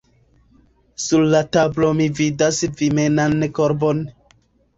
Sur la tablo mi vidas vimenan korbon.